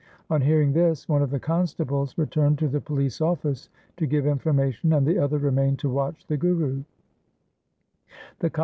On hearing this one of the constables returned to the police office to give information and the other remained to watch the Guru.